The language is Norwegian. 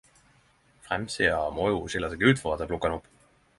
Fremmsida må jo skille seg ut for at eg plukker den opp.